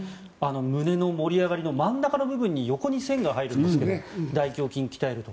胸の盛り上がりの真ん中の部分に横に線が入るんですが大胸筋を鍛えると。